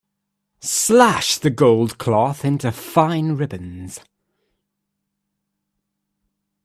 Slash the gold cloth into fine ribbons.